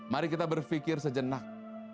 mari kita berpikir sejenak